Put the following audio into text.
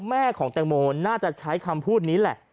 แม่ของแตงโมน่าจะใช้คำพูดนี้แหละ